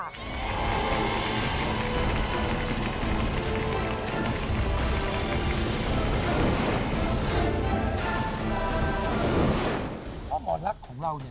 เพราะหมอนรักของเราเนี่ย